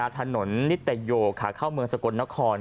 ทะหนนิตยโยคค่ะเข้าเมืองสกลนคร